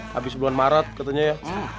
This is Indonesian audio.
habis bulan maret katanya ya